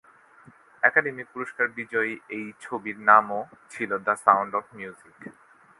Academy পুরস্কার বিজয়ী এই ছবির নামও ছিল দ্য সাউন্ড অব মিউজিক।